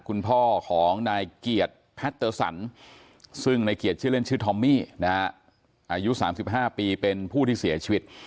คุณพ่อของนายเกียรติแพทเตอร์สันซึ่งในเกียรติชื่อเล่นชื่อทอมมี่นะฮะอายุ๓๕ปีเป็นผู้ที่เสียชีวิต